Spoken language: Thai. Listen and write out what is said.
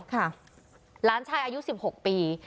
ค่ะหลานชายอายุสิบหกปี